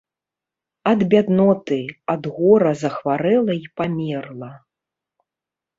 Ад бядноты, ад гора захварэла і памерла.